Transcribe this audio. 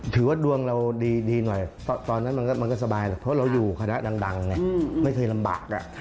ถือว่าดวงเราดีหน่อยตอนนั้นมันก็สบายเพราะเราอยู่คณะดังไม่เคยลำบาก